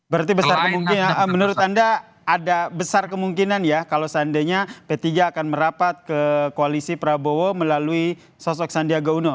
berarti besar kemungkinan menurut anda ada besar kemungkinan ya kalau seandainya p tiga akan merapat ke koalisi prabowo melalui sosok sandiaga uno